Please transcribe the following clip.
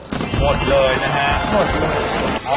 หมดเลยนะฮะ